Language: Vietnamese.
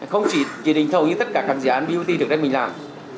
không chỉ kỳ định thầu như tất cả các dự án bot được đây mình làm